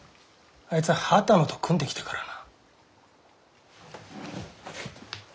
あいつは波多野と組んできたからな。